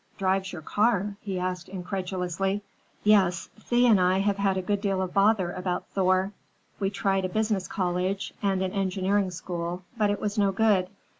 "Drives your car?" he asked incredulously. "Yes. Thea and I have had a good deal of bother about Thor. We tried a business college, and an engineering school, but it was no good.